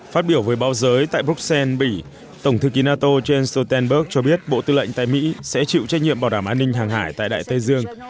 phát biểu với báo giới tại bruxelles bỉ tổng thư ký nato jens stoltenberg cho biết bộ tư lệnh tại mỹ sẽ chịu trách nhiệm bảo đảm an ninh hàng hải tại đại tây dương